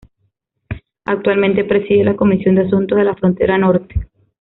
Actualmente preside la comisión de Asuntos de la Frontera Norte.